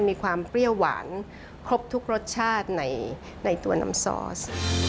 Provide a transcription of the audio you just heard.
มีความเปรี้ยวหวานครบทุกรสชาติในตัวน้ำซอส